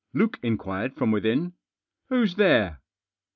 Luke ipqilired from within— "Who's there?"